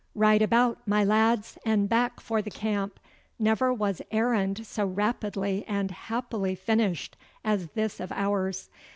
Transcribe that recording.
Right about, my lads, and back for the camp. Never was errand so rapidly and happily finished as this of ours.